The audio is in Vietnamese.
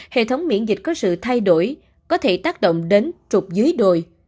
hệ thống miễn dịch có sự thay đổi có thể tác động đến trục dưới đồi